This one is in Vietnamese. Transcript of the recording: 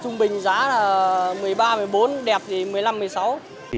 trung bình giá là một mươi ba một mươi bốn đẹp gì